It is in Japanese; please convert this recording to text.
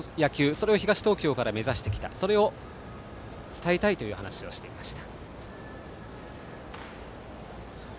それを東東京から目指してきたそれを伝えたいと話していました。